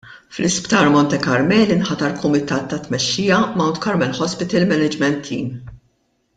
Fl-Isptar Monte Carmeli inħatar kumitat ta' tmexxija Mount Carmel Hospital Management Team.